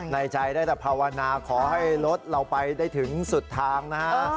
ในใจได้แต่ภาวนาขอให้รถเราไปได้ถึงสุดทางนะฮะ